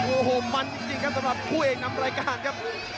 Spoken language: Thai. โอ้โหมันจริงครับสำหรับคู่เอกนำรายการครับ